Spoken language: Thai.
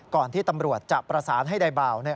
ก่อนที่ตำรวจจะประสานให้นายเบา